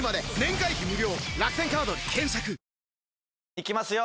いきますよ